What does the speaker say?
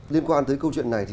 liên quan tới câu chuyện này